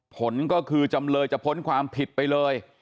ผลก็คือจำเลยจะพ้นความผิดไปเลย